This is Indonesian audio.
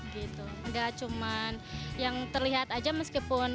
tidak cuma yang terlihat saja meskipun